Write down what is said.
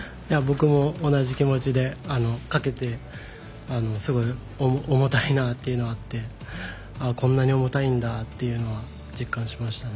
僕も同じ気持ちでかけて、すごい重たいなっていうのはあってこんなに重たいんだというのは実感しましたね。